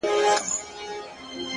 چي توري څڼي پرې راوځړوې،